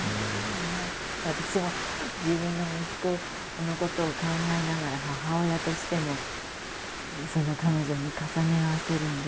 私も自分の息子のことを考えながら母親としての彼女に重ね合わせるんです。